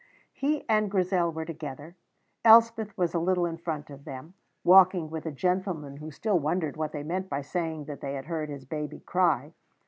He and Grizel were together. Elspeth was a little in front of them, walking with a gentleman who still wondered what they meant by saying that they had heard his baby cry.